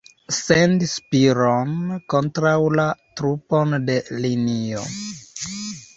Sendi Spiro'n kontraŭ la trupon de linio!